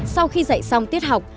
sau khi dạy xong tiết học